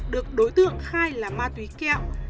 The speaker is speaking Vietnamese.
được đối tượng khai là ma túy kẹo